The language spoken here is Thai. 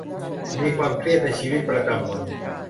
มีความเครียดในชีวิตประจำวัน